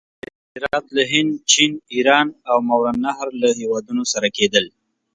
صادرات له هند، چین، ایران او ماورأ النهر له هیوادونو سره کېدل.